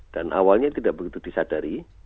dan awalnya tidak begitu disadari